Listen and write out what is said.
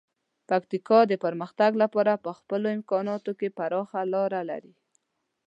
پکتیکا د پرمختګ لپاره په خپلو امکاناتو کې پراخه لاره لري.